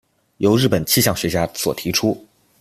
由日本气象学家所提出。